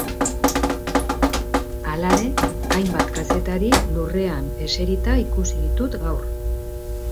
Halare, hainbat kazetari lurrean eserita ikusi ditut gaur.